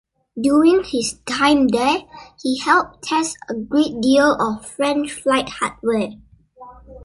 During his time there, he helped test a great deal of French flight hardware.